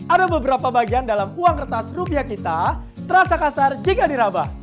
ada beberapa bagian dalam uang kertas rupiah kita terasa kasar jika dirabah